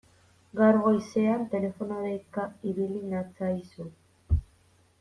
Gaur goizean telefono deika ibili natzaizu.